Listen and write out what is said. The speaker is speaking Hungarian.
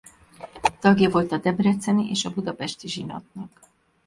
Tagja volt a debreceni és a budapesti zsinatnak.